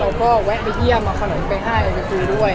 แล้วก็แวะไปเยี่ยมเข้าหนังไปให้ไปคุยด้วย